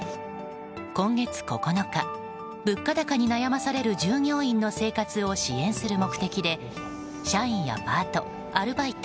今月９日、物価高に悩まされる従業員の生活を支援する目的で社員やパート、アルバイト